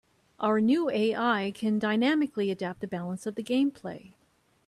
Our new AI can dynamically adapt the balance of the gameplay.